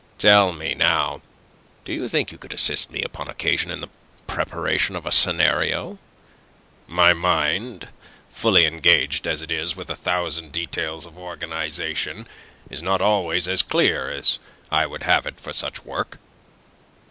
Tell me, now: Do you think you could assist me upon occasion in the preparation of a scenario? My mind, fully engaged as it is with a thousand details of organization, is not always as clear as I would have it for such work.